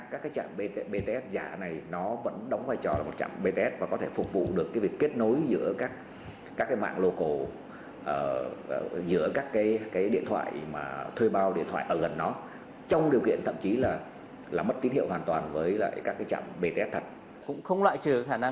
các trạm bts giả này nó vẫn đóng vai trò là một trạm bts và có thể phục vụ được cái việc kết nối giữa các cái mạng local giữa các cái điện thoại mà thuê bao điện thoại ở gần nó trong điều kiện thậm chí là mất tín hiệu hoàn toàn với lại các cái trạm bts thật